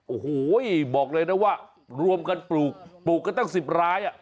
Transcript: โอ้โหบอกเลยนะว่ารวมกันปลูกปลูกกันตั้ง๑๐ราย